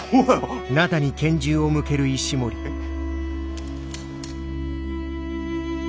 えっ。